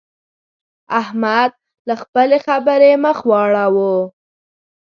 احمد له خپلې خبرې مخ واړاوو.